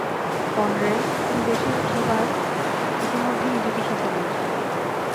Conrad, তুমি দেশের সেবায় ইতোমধ্যেই নিজেকে সঁপে দিয়েছ।